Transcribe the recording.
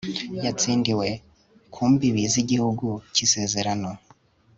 Yatsindiwe ku mbibi zIgihugu cyIsezerano